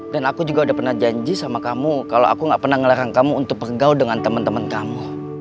dan aku juga udah pernah janji sama kamu kalau aku gak pernah ngelerang kamu untuk bergaul dengan temen temen kamu